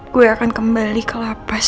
gue akan kembali ke lapas